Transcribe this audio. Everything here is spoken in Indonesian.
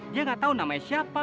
dia gak tau namanya siapa